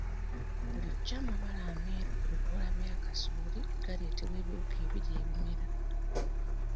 Bulijjo amabala ameeru ku bikoola bya kasooli galeetebwa biwuka ebirya ebimera.